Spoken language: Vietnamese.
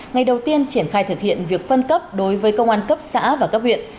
ngày đầu tiên triển khai thực hiện việc phân cấp đối với công an cấp xã và cấp huyện